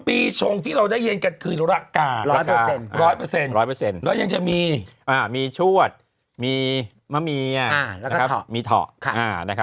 ปีชงที่เราได้ยินกันคือรากกา